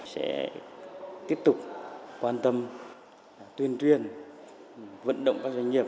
sẽ tiếp tục quan tâm tuyên truyền vận động các doanh nghiệp